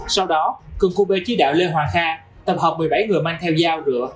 sau đó cường cô bê trí đạo lê hoàng kha tập hợp một mươi bảy người mang theo dao rửa